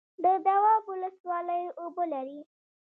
د دواب ولسوالۍ اوبه لري